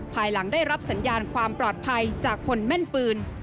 ภายหลังได้รับสัญญาณความปลอดภัยจากผลแม่นปืน